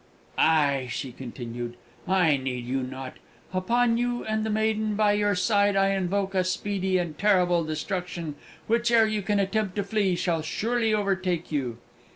"Aye," she continued, "I need you not. Upon you and the maiden by your side I invoke a speedy and terrible destruction, which, ere you can attempt to flee, shall surely overtake you!"